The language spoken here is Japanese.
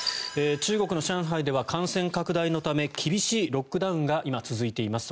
中国の上海では感染拡大のため厳しいロックダウンが今、続いています。